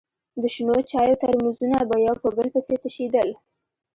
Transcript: د شنو چايو ترموزونه به يو په بل پسې تشېدل.